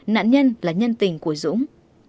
nạn nhân là nhân tình của dũng